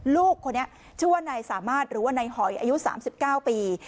ลูกคนนี้ชื่อว่านายสามารถหรือว่านายหอยอายุ๓๙ปี